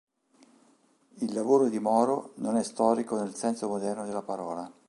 Il lavoro di Moro non è storico nel senso moderno della parola.